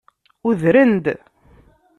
Udren-d.